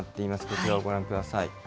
こちらをご覧ください。